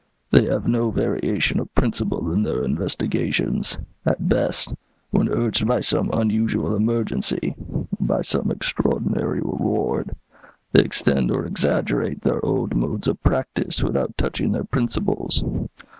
They have no variation of principle in their investigations; at best, when urged by some unusual emergency, by some extraordinary reward, they extend or exaggerate their old modes of practice without touching their principles.